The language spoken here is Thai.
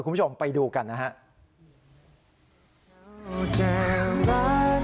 คุณผู้ชมไปดูกันนะฮะ